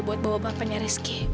buat bawa bapaknya rizky